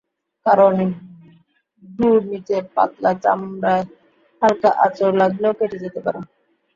কারণ, ভ্রুর নিচের পাতলা চামড়ায় হালকা আঁচড় লাগলেও কেটে যেতে পারে।